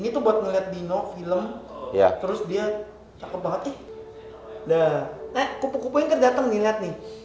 ngeliat dino film ya terus dia cakep banget deh udah